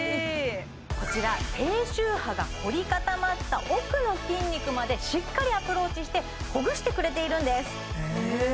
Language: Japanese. こちら低周波が凝り固まった奥の筋肉までしっかりアプローチしてほぐしてくれているんですへえ